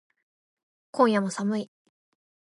今夜も寒い